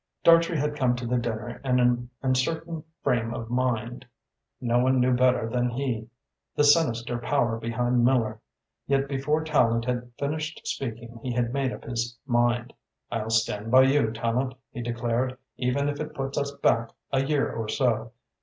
Dartrey had come to the dinner in an uncertain frame of mind. No one knew better than he the sinister power behind Miller. Yet before Tallente had finished speaking he had made up his mind. "I'll stand by you, Tallente," he declared, "even if it puts us back a year or so.